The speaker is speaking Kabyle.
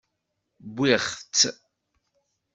Wwiɣ-tt.